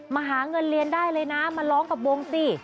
หาเงินเรียนได้เลยนะมาร้องกับวงสิ